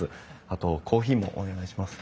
あとコーヒーもお願いします。